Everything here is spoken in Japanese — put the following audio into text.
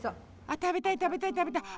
あ食べたい食べたい食べたい！